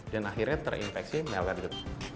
dan akhirnya terinfeksi malware